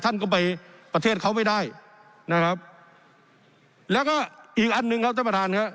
ท่านก็ไปประเทศเขาไม่ได้นะครับแล้วก็อีกอันหนึ่งครับท่านประธานครับ